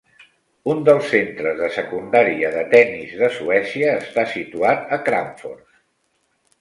Un dels centres de secundària de tennis de Suècia està situat a Kramfors.